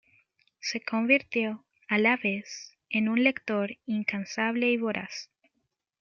Se convirtió, a la vez, en un lector incansable y voraz.